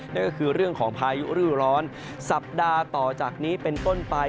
นั่นก็คือเรื่องของพายุฤดูร้อนสัปดาห์ต่อจากนี้เป็นต้นไป